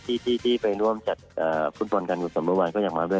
ที่ไปร่วมจัดฟุตรกันกับสมบัติวันก็อยากมาด้วย